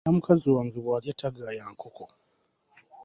Nina mukazi wange bw'alya tagaaya nkoko.